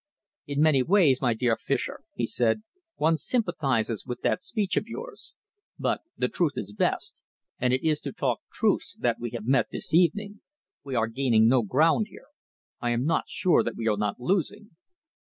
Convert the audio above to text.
"In many ways, my dear Fischer," he said, "one sympathises with that speech of yours; but the truth is best, and it is to talk truths that we have met this evening. We are gaining no ground here. I am not sure that we are not losing."